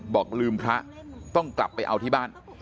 บอกลืมพระต้องกลับไปเอาที่บ้าน